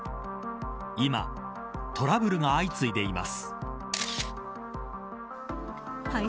今、トラブルが相次いでいます。